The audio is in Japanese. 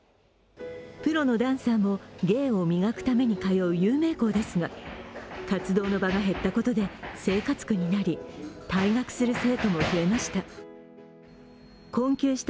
プロのダンサーも芸を磨くために通う有名校ですが、活動の場が減ったことで生活苦になり退学する生徒も増えました。